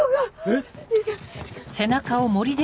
えっ？